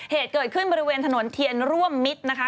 เหตุเกิดขึ้นบริเวณถนนเทียนร่วมมิตรนะคะ